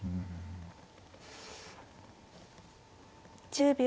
１０秒。